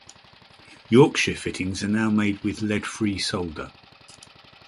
Yorkshire fittings are now made with lead-free solder.